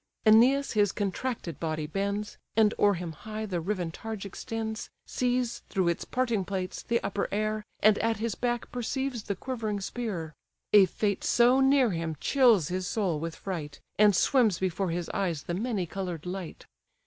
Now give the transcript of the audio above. Æneas his contracted body bends, And o'er him high the riven targe extends, Sees, through its parting plates, the upper air, And at his back perceives the quivering spear: A fate so near him, chills his soul with fright; And swims before his eyes the many colour'd light.